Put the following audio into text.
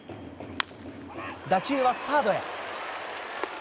打球はサードへ。